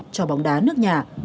cho bóng đá nước nhà